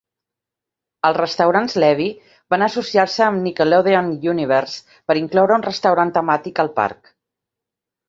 Els restaurants Levy van associar-se amb Nickelodeon Universe per incloure un restaurant temàtic al parc.